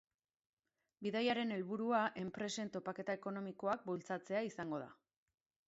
Bidaiaren helburua enpresen topaketa ekonomikoak bultzatzea izango da.